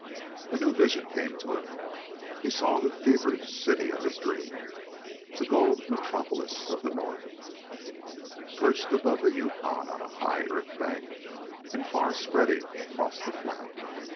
A new vision came to him. He saw the feverish city of his dream the gold metropolis of the North, perched above the Yukon on a high earth bank and far spreading across the flat.